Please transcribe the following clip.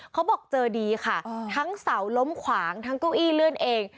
เขาบอกเจอดีค่ะทั้งเสาล้มขวางทั้งเก้าอี้เลื่อนเอง